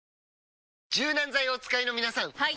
柔軟剤をお使いの皆さんはい！